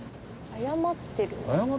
謝ってる？